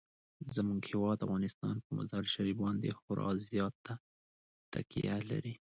زموږ هیواد افغانستان په مزارشریف باندې خورا زیاته تکیه لري.